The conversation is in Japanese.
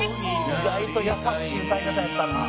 「意外と優しい歌い方やったな」